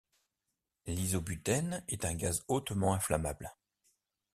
L'isobutène est un gaz hautement inflammable.